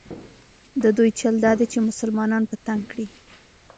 د دوی چل دا دی چې مسلمانان په تنګ کړي.